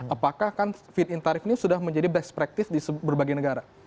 apakah kan fit in tarif ini sudah menjadi best practice di berbagai negara